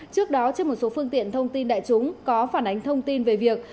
trước đó trên một số phương tiện thông tin đại chúng có phản ánh thông tin về việc